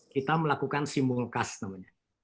kita melakukan simulcast namanya